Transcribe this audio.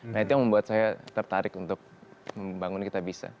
nah itu yang membuat saya tertarik untuk membangun kitabisa